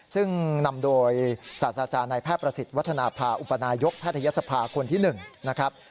ซึ่งนำโดยศาสตราจารย์นายแพทย์ประสิทธิ์วัฒนภาอุปนายกแพทยศภาคนที่๑นะครับ